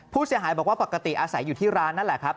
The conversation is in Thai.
ผู้เสียหายบอกว่าปกติอาศัยอยู่ที่ร้านนั่นแหละครับ